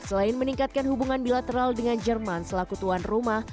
selain meningkatkan hubungan bilateral dengan jerman selaku tuan rumah